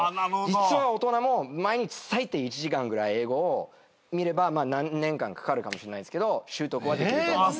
実は大人も毎日最低１時間ぐらい英語を見れば何年間かかるかもしれないんですけど習得はできると思います。